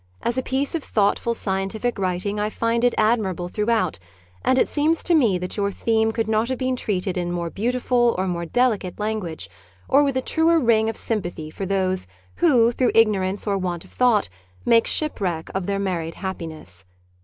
As a piece of thoughtful, scientific v^riting I find it admir able throughout, and it seems to me that your theme could not have been treated in more beautiful or more delicate language, or with a truer ring of sympathy for those who, through ignorance or want of thought, make shipwreck of their married happiness.